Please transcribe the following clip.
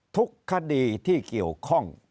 ทุกคดีที่เกี่ยวข้อง